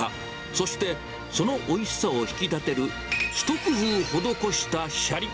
そして、そのおいしさを引き立てる、一工夫施したしゃり。